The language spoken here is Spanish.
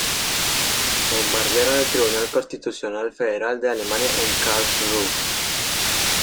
Bombardearon el Tribunal Constitucional Federal de Alemania en Karlsruhe.